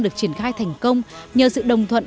được triển khai thành công nhờ sự đồng thuận